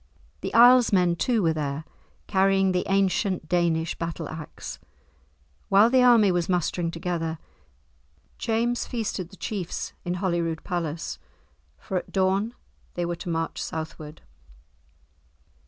The Isles men, too, were there, carrying the ancient Danish battle axe. While the army was mustering together, James feasted the chiefs in Holyrood Palace, for at dawn they were to march southward.